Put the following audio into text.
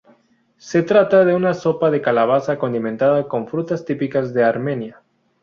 Se trata de una sopa de calabaza condimentada con frutas típicas de Armenia.